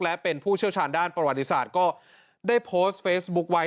และเป็นผู้เชี่ยวชาญด้านประวัติศาสตร์ก็ได้โพสต์เฟซบุ๊คไว้